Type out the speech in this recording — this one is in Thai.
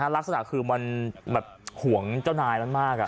ลักษณะคือมันห่วงเจ้านายมันมาก